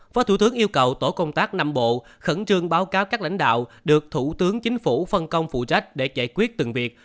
phó thủ tướng yêu cầu tổ công tác năm bộ khẩn trương báo cáo các lãnh đạo được thủ tướng chính phủ phân công phụ trách để giải quyết từng việc